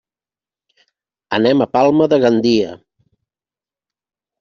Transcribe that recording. Anem a Palma de Gandia.